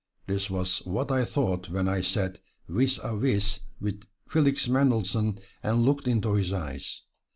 This was what I thought when I sat vis a vis with Felix Mendelssohn and looked into his eyes.